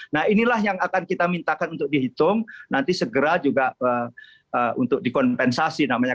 nah inilah yang akan kita mintakan untuk dihitung nanti segera juga untuk dikompensasi namanya